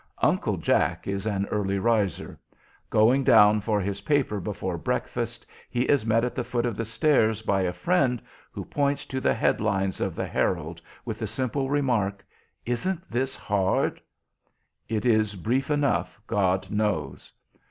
Uncle Jack is an early riser. Going down for his paper before breakfast, he is met at the foot of the stairs by a friend who points to the head lines of the Herald, with the simple remark, "Isn't this hard?" It is brief enough, God knows.